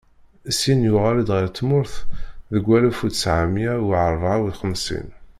Syin yuɣal-d ɣer tmurt deg walef u ttɛemya u ṛebɛa u xemsin.